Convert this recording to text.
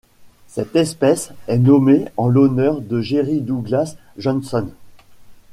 Cette espèce est nommée en l'honneur de Jerry Douglas Johnson.